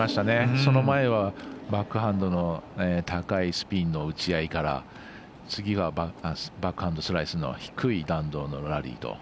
その前は、バックハンドの高いスピンの打ち合いから次がバックハンドスライスの低い弾道のラリーと。